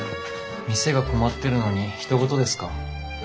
店が困ってるのにひと事ですか？